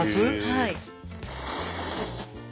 はい。